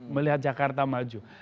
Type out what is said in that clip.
melihat jakarta maju